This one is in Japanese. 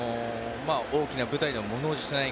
大きな舞台でも物おじしない